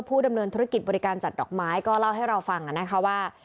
ดำเนินธุรกิจบริการจัดดอกไม้ก็เล่าให้เราฟังนะคะว่า